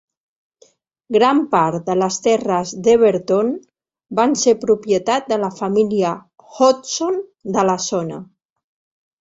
Gran part de les terres d'Everton van ser propietat de la família Hodson de la zona.